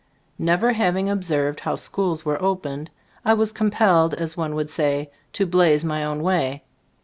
Never having observed how schools were opened, I was compelled, as one would say, to "blaze my own way."